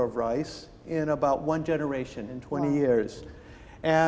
dalam sekitar satu generasi dalam dua puluh tahun